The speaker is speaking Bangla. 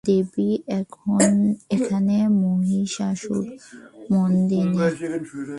দেবী এখানে মহিষাসুরমর্দিনী।